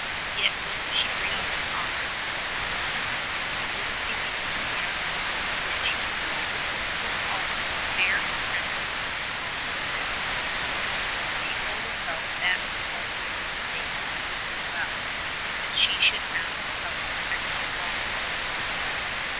Yet when she raised her eyes to look upon him, noticing the enthusiasm with which he spoke, seeing also how fair and handsome he was growing and how tall, she told herself that for his own sake it would be well that he should have some pro tector stronger than herself.